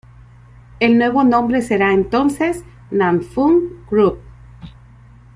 El nuevo nombre será entonces Nan Fung Group.